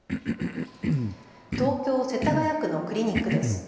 東京世田谷区のクリニックです。